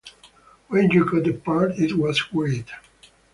When you got a part it was great.